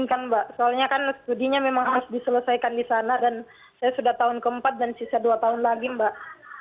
mbak soalnya kan studinya memang harus diselesaikan di sana dan saya sudah tahun keempat dan sisa dua tahun lagi mbak